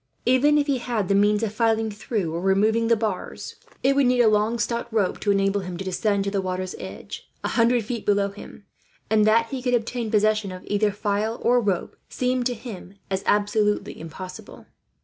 Even if he had the means of filing through or removing the bars, it would need a long stout rope to enable him to descend to the water's edge, a hundred feet below him; and that he could obtain possession of either file, or rope, seemed to him as absolutely impossible.